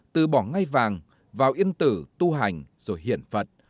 từ bỏ ngay vàng vào yên tử tu hành rồi hiển phật